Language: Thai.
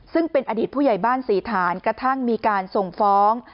ซึ่งเป็นอดีตผู้ใหญ่บ้านศรีฐานกระทั่งมีการส่งฟ้อง